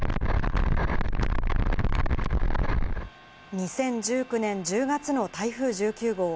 ２０１９年１０月の台風１９号。